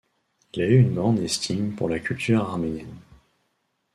Il a eu une grande estime pour la culture arménienne.